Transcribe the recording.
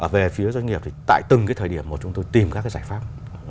về phía doanh nghiệp thì tại từng cái thời điểm mà chúng tôi tìm các cái giải pháp